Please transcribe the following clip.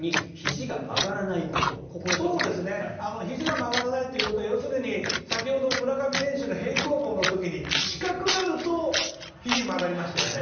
ひじが曲がらないということは要するに先ほど村上選手の平行棒の時に近くなるとひじが曲がりましたよね。